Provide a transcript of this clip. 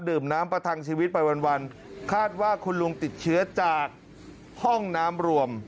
น้ำประทังชีวิตไปวันคาดว่าคุณลุงติดเชื้อจากห้องน้ำรวม